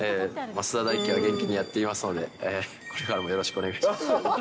増田大輝は元気にやっていますので、これからもよろしくお願いします。